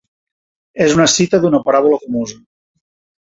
És una cita d'una paràbola famosa.